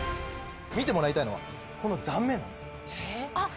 見てもらいたいのはこの断面なんです。